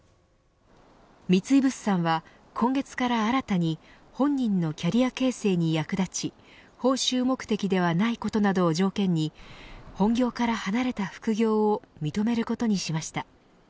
三井物産は今月から新たに本人のキャリア形成に役立ち報酬目的ではないことなどを条件に本業から離れた副業を認めることにしました。